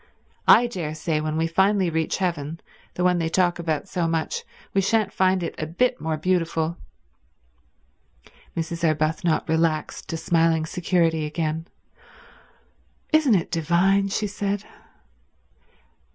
I daresay when we finally reach heaven—the one they talk about so much—we shan't find it a bit more beautiful." Mrs. Arbuthnot relaxed to smiling security again. "Isn't it divine?" she said.